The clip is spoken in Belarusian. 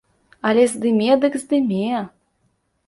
Але здыме, дык здыме!